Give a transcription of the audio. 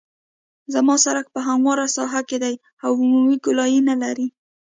زما سرک په همواره ساحه کې دی او عمودي ګولایي نلري